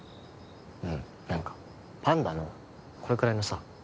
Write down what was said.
うん、何かパンダのこれくらいのさ。